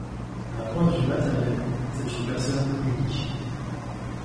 D'un point de vue matériel, c'est une personne unique.